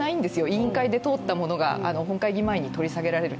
委員会で通ったものが、本会議前に取り下げられる。